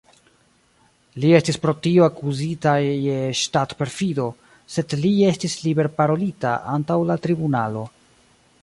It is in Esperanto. Li estis pro tio akuzita je ŝtat-perfido, sed li estis liber-parolita antaŭ la tribunalo.